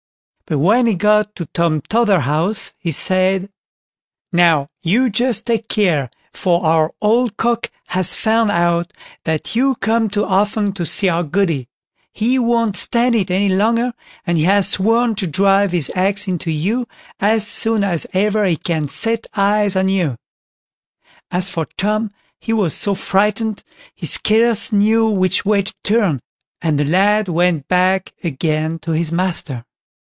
But when he got to Tom Totherhouse he said: "Now, just you take care, for our old cock has found out that you come too often to see our Goody. He won't stand it any longer, and has sworn to drive his axe into you as soon as ever he can set eyes on you." As for Tom, he was so frightened he scarce knew which way to turn, and the lad went back again to his master.